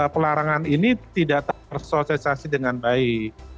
pelarangan ini tidak tersosialisasi dengan baik